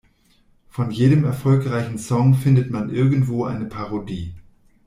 Von jedem erfolgreichen Song findet man irgendwo eine Parodie.